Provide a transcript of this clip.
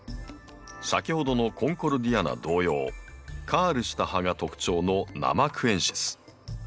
先ほどのコンコルディアナ同様カールした葉が特徴のナマクエンシス。